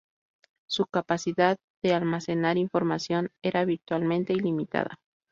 Su capacidad de almacenar información era virtualmente ilimitada.